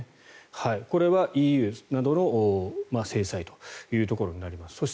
これはＥＵなどの制裁というところになります。